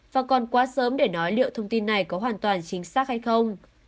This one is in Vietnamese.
và còn quá sớm để nói liệu thông tin này có hoàn toàn chính xác hay không